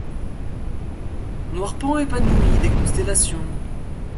Noir paon épanoui des constellations.